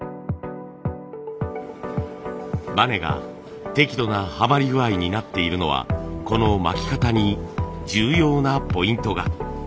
バネが適度なはまり具合になっているのはこの巻き方に重要なポイントが。